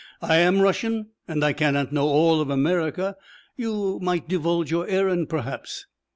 I am Russian and I cannot know all of America. You might divulge your errand, perhaps?"